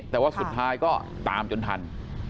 แต่ว่าสุดท้ายก็ตามจนทัน